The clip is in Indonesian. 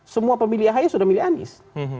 semua pemilih ahi sudah milih anies